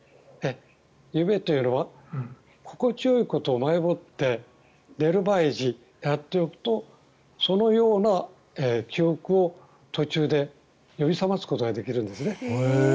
夢というのは心地よいことを前もって寝る前にやっておくとそのような記憶を途中で呼び覚ますことができるんですね。